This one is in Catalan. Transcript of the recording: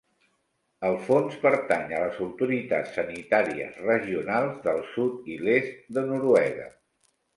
El fons pertany a les autoritats sanitàries regionals del sud i l'est de Noruega.